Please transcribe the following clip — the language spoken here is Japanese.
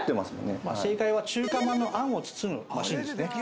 正解は中華まんのあんを包むマシンですね。